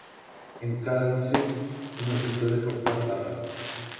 Encara dicen que no se'n puede cortar garra.